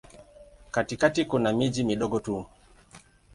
Katikati kuna miji midogo tu.